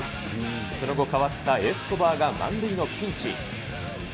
その後、代わったエスコバーが満塁のピンチ。